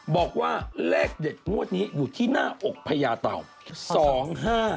บอกว่าเลขเด็ดงวดนี้อยู่ที่หน้าอกพญาเต่า